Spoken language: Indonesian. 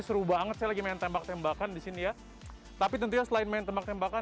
seru banget saya lagi main tembak tembakan di sini ya tapi tentunya selain main tembak tembakan